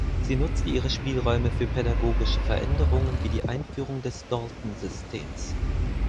Sie nutzte ihre Spielräume für pädagogische Veränderungen wie die Einführung des Daltonsystems.